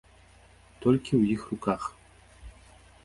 Толькі ў іх руках.